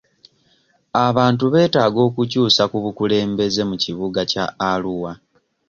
Abantu beetaga okukyusa ku bukulembeze mu kibuga kya Arua.